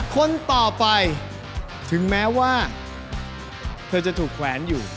คนต่อไปถึงแม้ว่าเธอจะถูกแขวนอยู่